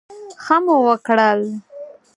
ښه مو وکړل.